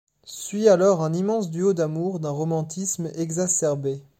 Suit alors un immense duo d'amour d'un romantisme exacerbé.